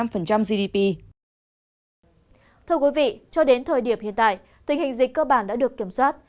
thưa quý vị cho đến thời điểm hiện tại tình hình dịch cơ bản đã được kiểm soát